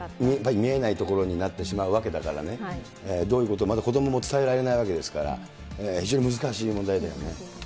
見えないところになってしまうわけだからね、そういうこともまず、子どもは伝えられないわけですから、非常に難しい問題だよね。